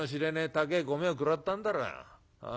高え米を食らったんだろ。